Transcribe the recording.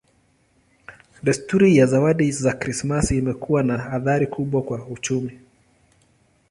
Desturi ya zawadi za Krismasi imekuwa na athari kubwa kwa uchumi.